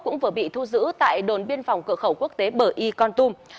cũng vừa bị thu giữ tại đồn biên phòng cửa khẩu quốc tế bờ y con tum